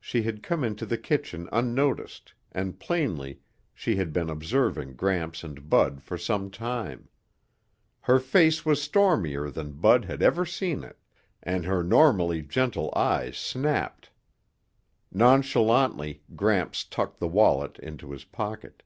She had come into the kitchen unnoticed and plainly she had been observing Gramps and Bud for some time. Her face was stormier than Bud had ever seen it and her normally gentle eyes snapped. Nonchalantly Gramps tucked the wallet into his pocket.